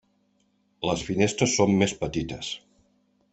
Les finestres són més petites.